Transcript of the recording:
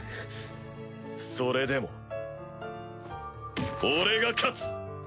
それでも俺が勝つ！